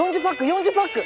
４０パック！